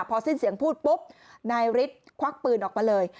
พอสิ้นเสียงพูดปุ๊บนายฤทธิ์ควักปืนออกมาเลย